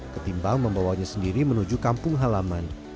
ketimbang membawanya sendiri menuju kampung halaman